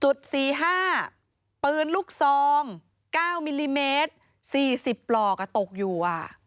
จุด๔๕ปืนลูกซอง๙มิลลิเมตร๔๐ปลอกอ่ะตกอยู่อ่ะ